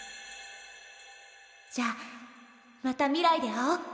じゃあまた未来で会おう！